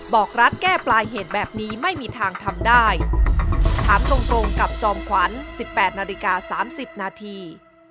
บอกรัฐแก้ปลายเหตุแบบนี้ไม่มีทางทำได้ถามตรงตรงกับจอมขวัญสิบแปดนาฬิกาสามสิบนาที